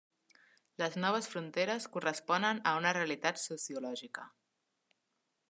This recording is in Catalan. Les noves fronteres corresponen a una realitat sociològica.